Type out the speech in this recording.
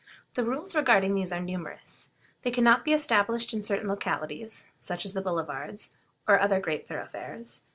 The rules regarding these are numerous. They can not be established in certain localities, such as the Boulevards, or other great thoroughfares.